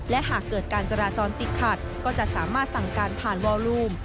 และหากเกิดการจราจรติดขัดก็จะสามารถสั่งการผ่านวอลลูม